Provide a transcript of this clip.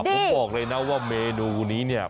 ผมบอกเลยนะว่าเมนูนี้เนี่ย